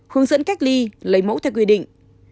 hướng dẫn cách ly lấy mẫu theo quy định